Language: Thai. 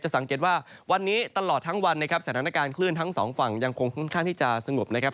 สังเกตว่าวันนี้ตลอดทั้งวันนะครับสถานการณ์คลื่นทั้งสองฝั่งยังคงค่อนข้างที่จะสงบนะครับ